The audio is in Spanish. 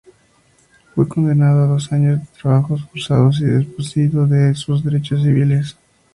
Fue condenado a dos años de trabajos forzados y desposeído de sus derechos civiles.